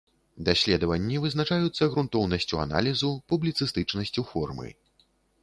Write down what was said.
Даследаванні вызначаюцца грунтоўнасцю аналізу, публіцыстычнасцю формы.